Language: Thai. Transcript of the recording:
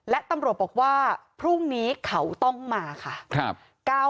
และตำรวจบอกว่าพรุ่งนี้เขาต้องมาค่ะ